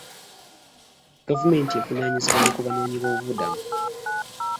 Gavumenti evunaanyizibwa ne ku banoonyiboobubudamu.